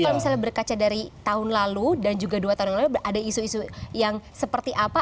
tapi kalau misalnya berkaca dari tahun lalu dan juga dua tahun yang lalu ada isu isu yang seperti apa